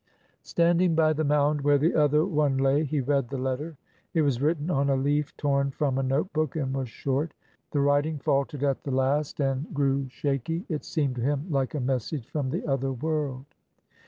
Standing by the mound where the other one lay, he read the letter. It was written on a leaf torn from a note book and was short. The writing faltered at the last and GORDON TAKES THE HELM 341 grew shaky. It seemed to him like a message from the other world.